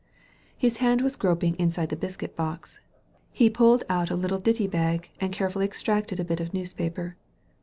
'* His hand was groping inside the biscuit box. He pulled put a little ditty bag and carefully ex tracted a bit of newspaper.